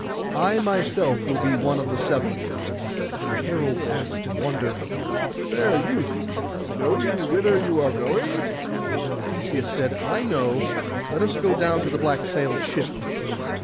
I myself will be one of the seven.' And the herald asked in wonder, 'Fair youth, know you whither you are going?' And Theseus said, 'I know. Let us go down to the black sailed ship.